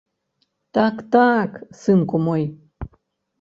Так, так, сынку мой!